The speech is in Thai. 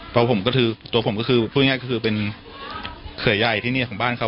ตัวผมก็คือตัวผมก็คือพูดง่ายก็คือเป็นเขยายที่เนี่ยของบ้านเขา